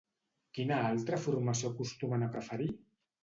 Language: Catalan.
Quina altra formació acostumen a preferir?